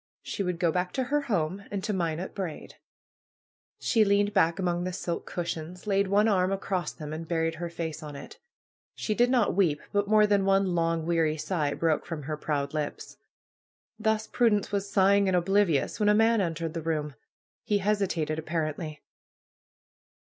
She would go back to her home and to Minot Braid. She leaned back among the silken cushions, laid one arm across them, and buried her face on it. She did not weep; but more than one long, weary sigh broke from her proud lips. Thus Prudence was sighing and oblivious when a man entered the room. He hesitated, apparently.